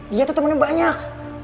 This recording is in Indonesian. dia tuh temennya banyak